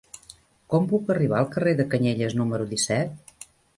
Com puc arribar al carrer de Canyelles número disset?